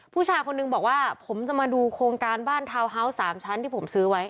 ผู้ชายคนนึงบอกว่าผมจะมาดูโครงการบ้านทาวน์ฮาวส์๓ชั้นที่ผมซื้อไว้